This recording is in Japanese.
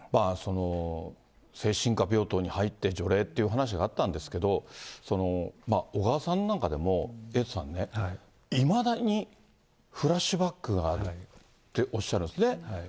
精神科病棟に入って除霊っていう話があったんですけど、小川さんの中にも、エイトさんね、いまだにフラッシュバックがあるっておっしゃるんですね。